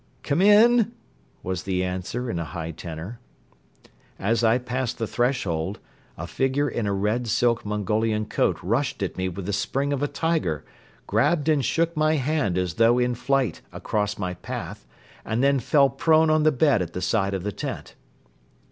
"Come in!" was the answer in a high tenor. As I passed the threshold, a figure in a red silk Mongolian coat rushed at me with the spring of a tiger, grabbed and shook my hand as though in flight across my path and then fell prone on the bed at the side of the tent.